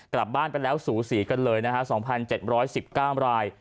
กลับบ้านไปแล้วสูสีกันเลยนะฮะ๒๗๑๙ราย